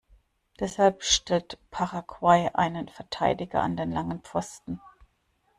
Deshalb stellt Paraguay einen Verteidiger an den langen Pfosten.